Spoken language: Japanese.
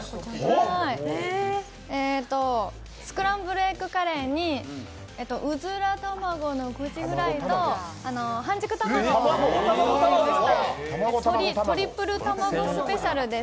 スクランブルエッグカレーにうずら卵の串フライと半熟卵をトッピングしたトリプル卵スペシャルです。